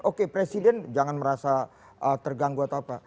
oke presiden jangan merasa terganggu atau apa